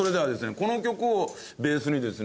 この曲をベースにですね